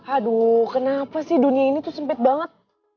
aduh kenapa sih dunia ini tuh sempit banget